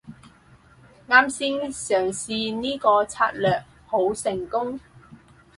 啱先嘗試呢個策略好成功